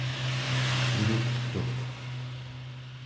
kenugtuq